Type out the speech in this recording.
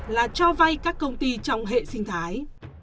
là cho vay các công ty trong hệ sinh thái